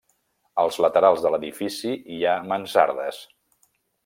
Als laterals de l'edifici hi ha mansardes.